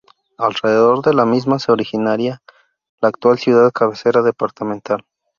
Alrededor de la misma se originaría la actual ciudad cabecera departamental.